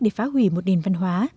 để phá hủy một đền văn hóa